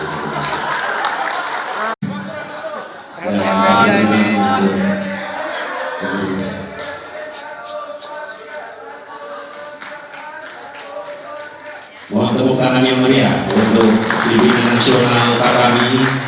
mohon tepuk tangan yang meriah untuk pimpinan nasional kakami